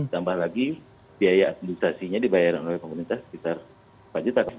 tambah lagi biaya administrasinya dibayaran oleh komunitas sekitar pajet takut